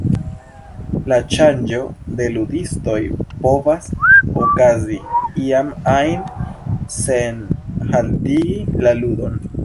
La ŝanĝo de ludistoj povas okazi iam ajn, sen haltigi la ludon.